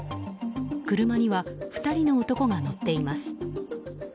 車には２人の男が乗っています。